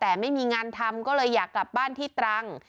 แต่ไม่มีงานทำก็เลยอยากกลับบ้านที่ตรัง